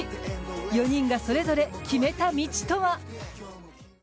４人がそれぞれ決めた道とは？